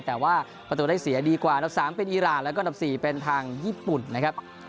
แต่ว่าประตูได้เสียดีกว่าอันดับ๓เป็นอีรานแล้วก็อันดับ๔เป็นทางญี่ปุ่นนะครับ